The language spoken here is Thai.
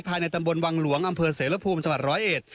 ภายในตำบลวังหลวงอำเภอเสรภูมิจรเอด